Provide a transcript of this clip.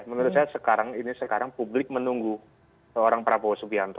menurut saya sekarang ini sekarang publik menunggu seorang prabowo subianto